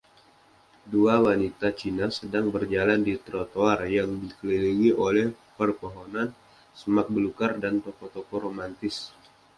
Dua wanita Cina sedang berjalan di trotoar yang dikelilingi oleh pepohonan, semak belukar, dan toko-toko romantis.